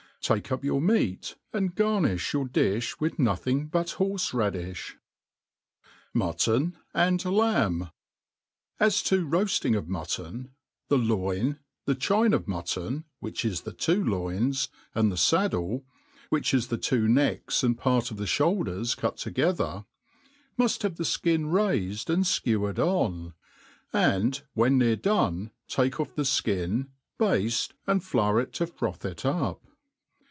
Take up your meat, and garnifli your difli with no thing but horfe raddiih. MUrrONandLJMB. AS to , roafting of mutton, the loin, the chincpf mutton, (whieh is the two loins,) and the faddle^ (which is the two necks and pact of the (houldecs cut together,) mun have the fkin raifed and (kewered on, and, when near done, take ofF the fkin, bafte, and floor it to froth it: up.